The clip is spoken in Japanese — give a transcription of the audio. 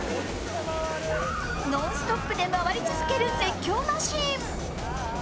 ノンストップで回り続ける絶叫マシーン。